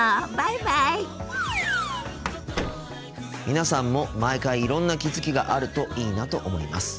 皆さんも毎回いろんな気付きがあるといいなと思います。